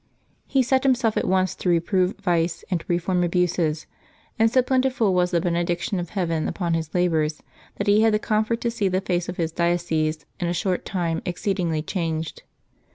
He set himself at once to reprove vice and to reform abuses, and so plentiful was the benediction of Heaven upon his labors that he had the comfort to see the face of his diocese in a short time exceedingly changed.